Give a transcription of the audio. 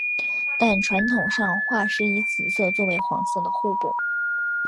但传统上画师以紫色作为黄的互补色。